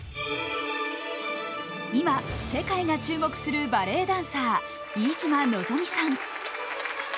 今、世界が注目するバレエダンサー、飯島望未さん。